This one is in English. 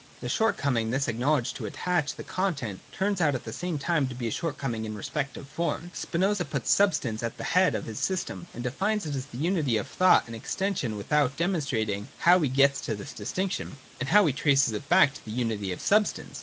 The shortcoming thus acknowledged to attach to the con tent turns out at the same time to be a shortcoming in respect of form. Spinoza puts substance at the head of his system, and defines it to be the unity of thought and exten sion, without demonstrating how he gets to this distinction, or how he traces it back to the unity of substance.